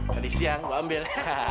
tadi siang gue ambil